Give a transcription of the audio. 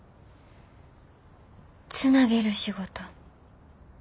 つなげる仕事。